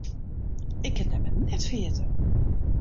Ik kin dy mar net ferjitte.